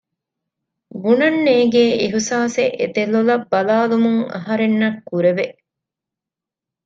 ބުނަން ނޭނގޭ އިހުސާސެއް އެ ދެލޮލަށް ބަލާލުމުން އަހަރެންނަށް ކުރެވެ